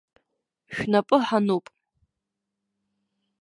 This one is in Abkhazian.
Шәнапы ҳануп.